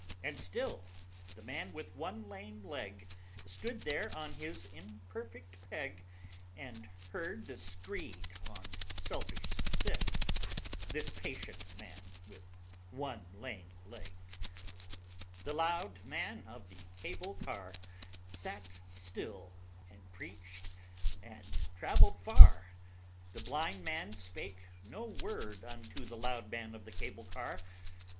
And still the Man with One Lame Leg Stood there on his imperfect peg And heard the screed on selfish sins This patient Man with One Lame Leg. VII The Loud Man of the cable car Sat still and preached and traveled far; The Blind Man spake no word unto The Loud Man of the cable car.